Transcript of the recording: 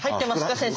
先生。